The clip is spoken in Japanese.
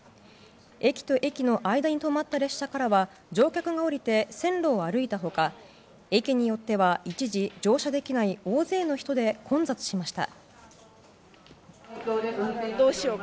駅と駅の間に止まった列車からは乗客が下りて線路を歩いたほか駅によっては一時、乗車できない大勢の人で混雑しました。